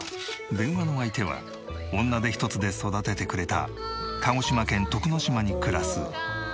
電話の相手は女手ひとつで育ててくれた鹿児島県徳之島に暮らす母住英さん。